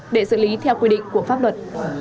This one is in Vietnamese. để xử lý theo quy định của pháp luật